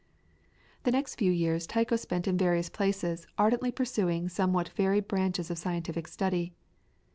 ] The next few years Tycho spent in various places ardently pursuing somewhat varied branches of scientific study.